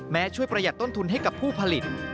ช่วยประหยัดต้นทุนให้กับผู้ผลิต